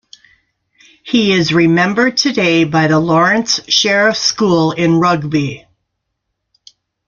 He is remembered today by the Lawrence Sheriff School in Rugby.